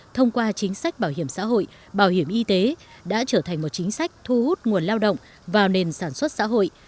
thông qua chính sách bảo hiểm xã hội bảo hiểm y tế đã trở thành một chính sách thu hút nguồn lao động vào nền sản xuất xã hội